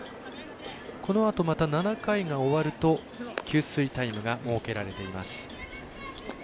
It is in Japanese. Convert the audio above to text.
このあとまた７回が終わると給水タイムが設けられています。